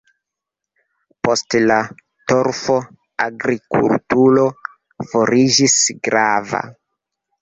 Post la torfo agrikulturo fariĝis grava.